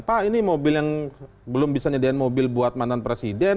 pak ini mobil yang belum bisa nyediain mobil buat mantan presiden